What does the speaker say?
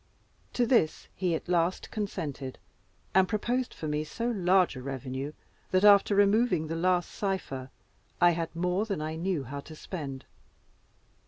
To this he at last consented, and proposed for me so large a revenue, that, after removing the last cipher, I had more than I knew how to spend.